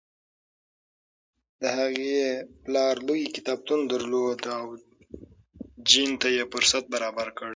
د هغې پلار لوی کتابتون درلود او جین ته یې فرصت برابر کړ.